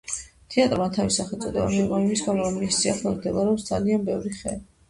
თეატრმა თავისი სახელწოდება მიიღო იმის გამო, რომ მის სიახლოვეს მდებარეობს ძალიან ბევრი ხე.